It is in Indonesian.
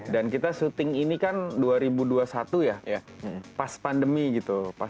dan kita syuting ini kan dua ribu dua puluh satu ya pas pandemi gitu